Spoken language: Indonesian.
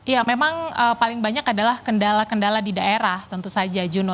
ya memang paling banyak adalah kendala kendala di daerah tentu saja juno